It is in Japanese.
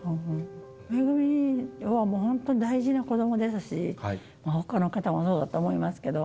めぐみはもう本当に大事な子どもですし、ほかの方もそうだと思いますけど。